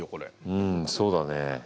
うんそうだね。